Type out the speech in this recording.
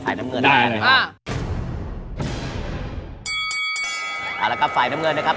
ปล่อยน้ำเงินไม่ได้เชื่อนะครับ